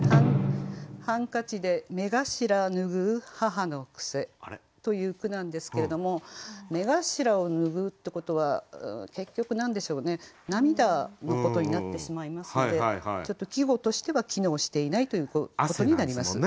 「ハンカチで目頭拭う母の癖」という句なんですけれども目頭を拭うってことは結局何でしょうね涙のことになってしまいますのでちょっと季語としては機能していないということになりますね。